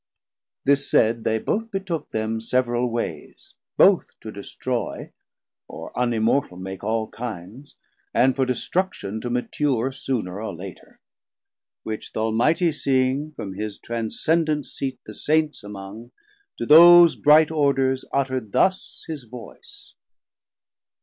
FULL SIZE Medium Size This said, they both betook them several wayes, 610 Both to destroy, or unimmortal make All kinds, and for destruction to mature Sooner or later; which th' Almightie seeing, From his transcendent Seat the Saints among, To those bright Orders utterd thus his voice.